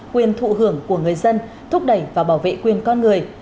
quyền thụ hưởng của người dân thúc đẩy và bảo vệ quyền con người